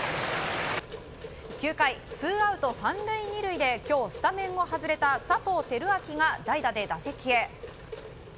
９回、ツーアウト３塁２塁で今日スタメンを外れた佐藤輝明が代打で打席へ。